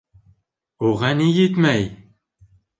УГА НИ ЕТМӘЙ?!